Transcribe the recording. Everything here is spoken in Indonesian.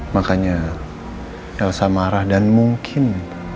makanya elsa marah dan mungkin